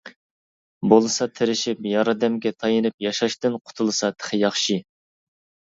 بولسا تىرىشىپ ياردەمگە تايىنىپ ياشاشتىن قۇتۇلسا تېخى ياخشى.